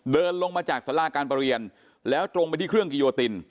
เดินลงมาจากสาราการประเรียนแล้วตรงไปที่เครื่องกิโยติน